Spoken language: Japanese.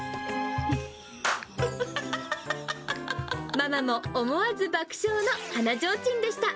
ママも思わず爆笑のはなぢょうちんでした。